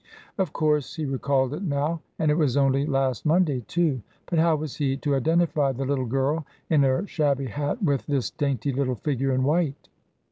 Of course he recalled it now, and it was only last Monday too. But how was he to identify the little girl in her shabby hat with this dainty little figure in white?